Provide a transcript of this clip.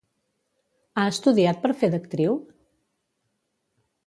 Ha estudiat per fer d'actriu?